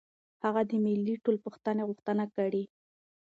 هغه د ملي ټولپوښتنې غوښتنه کړې.